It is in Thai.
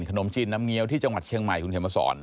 ขนมจีนน้ำเงี้ยวที่จังหวัดเชียงใหม่คุณเขียนมาสอน